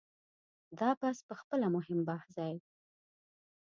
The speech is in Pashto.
دا بحث په خپله مهم بحث دی.